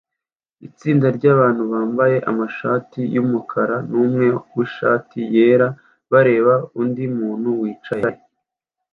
Itsinda ryabantu bambaye amashati yumukara numwe mwishati yera bareba undi muntu wicaye